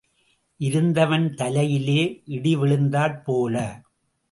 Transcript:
இருந்தவன் தலையிலே இடி விழுந்தாற் போல.